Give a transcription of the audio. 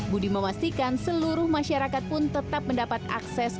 budi memastikan seluruh masyarakat pun tetap mendapat akses